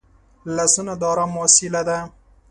لاسونه د ارام وسیله ده